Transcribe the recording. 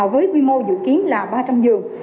với quy mô dự kiến là ba trăm linh giường